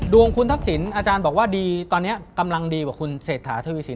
ดวงคุณทักษิณอาจารย์บอกว่าดีตอนนี้กำลังดีกว่าคุณเศรษฐาทวีสิน